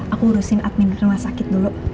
aku urusin admin rumah sakit dulu